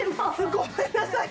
ごめんなさい。